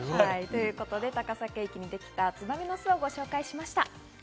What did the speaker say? ということで、高崎駅にできたツバメの巣をご紹介しました。